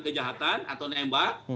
kejahatan atau nembak